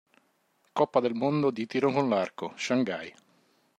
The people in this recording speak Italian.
Coppa del mondo di tiro con l'arco, shanghai